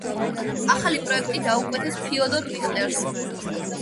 ახალი პროექტი დაუკვეთეს ფიოდორ რიხტერს.